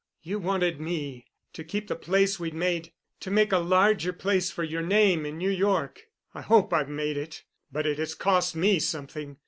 You wanted me to keep the place we'd made—to make a larger place for your name in New York. I hope I've made it, but it has cost me something.